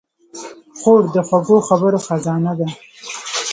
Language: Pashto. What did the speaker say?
خور د خوږو خبرو خزانه ده.